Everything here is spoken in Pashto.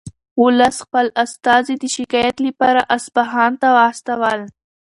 ولس خپل استازي د شکایت لپاره اصفهان ته واستول.